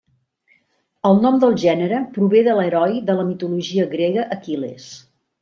El nom del gènere prové de l'heroi de la mitologia grega Aquil·les.